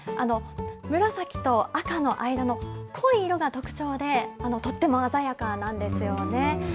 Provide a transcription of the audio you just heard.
紫と赤の間の濃い色が特徴で、とっても鮮やかなんですよね。